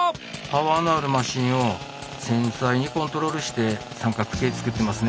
パワーのあるマシンを繊細にコントロールして三角形作ってますね。